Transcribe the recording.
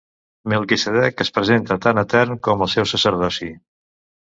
Melquisedec es presenta tan etern com el seu sacerdoci.